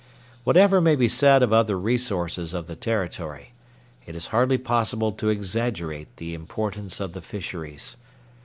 Whatever may be said of other resources of the Territory, it is hardly possible to exaggerate the importance of the fisheries.